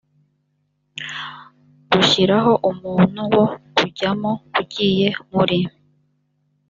rushyiraho umuntu wo kuwujyamo ugiye muri